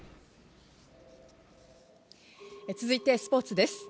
続いてスポーツです。